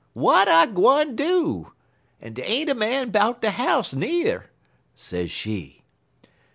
W'at I gwine do? En dey ain't a man 'bout de house, n'er,' sez she.